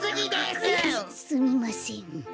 すすみません。